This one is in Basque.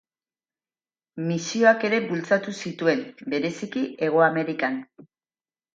Misioak ere bultzatu zituen, bereziki Hego Amerikan.